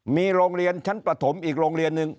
มีโรงเรียนชั้นประถมอีกโรงเรียนหนึ่ง